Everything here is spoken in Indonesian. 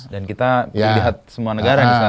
dan kita dilihat semua negara sekarang